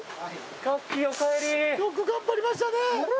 よく頑張りましたね。